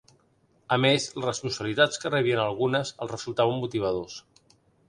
A més, les responsabilitats que rebien a algunes els resultaven motivadors.